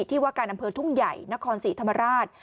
ที่ว่าการอำเภอทุ่งใหญ่นครศรีธรรมราช